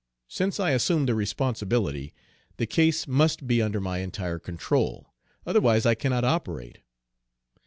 Since I assume the responsibility, the case must be under my entire control. Otherwise I cannot operate."